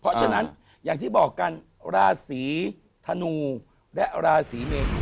เพราะฉะนั้นอย่างที่บอกกันราศีธนูและราศีเมนู